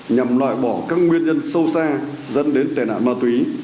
nhằm loại bỏ các nguyên nhân sâu xa dẫn đến tệ nạn ma túy